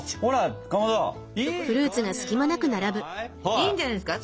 いいんじゃないですか。